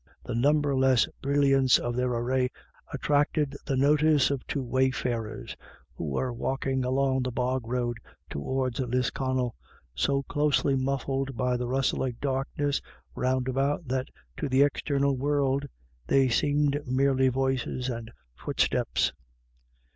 The numberless brilliance of their array attracted the notice of two wayfarers who were walking along the bog road towards Lisconnel, so closely muffled by the rustling darkness round about that to the external world they seemed merely voices and footsteps.